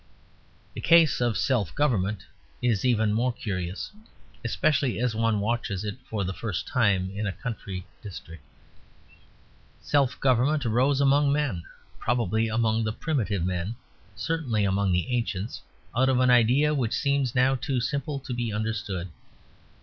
The case of self government is even more curious, especially as one watches it for the first time in a country district. Self government arose among men (probably among the primitive men, certainly among the ancients) out of an idea which seems now too simple to be understood.